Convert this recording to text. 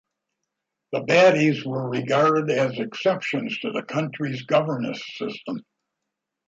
The bateys were regarded as exceptions to the country's governance system.